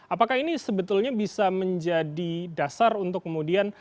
apakah ini sebetulnya bisa menjadi dasar untuk kemudian